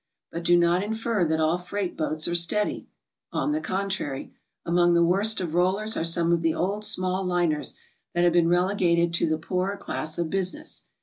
But do not infer that all freight boats are steady. On the contrary, among the worst oi rollers are some of the old, small liners that have been relegated to the poorer class of business.